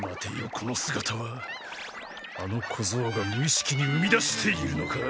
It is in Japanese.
この姿はあの小僧が無意識に生みだしているのか？